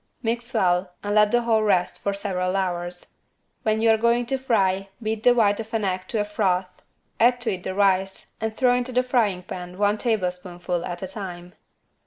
Mix well and let the whole rest for several hours. When you are going to fry beat the white of an egg to a froth, add it to the rice and throw into the frying pan one tablespoonful at a time.